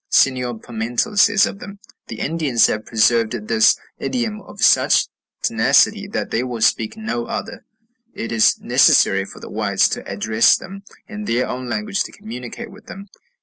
Señor Pimental says of them, "The Indians have preserved this idiom with such tenacity that they will speak no other; it is necessary for the whites to address them in their own language to communicate with them."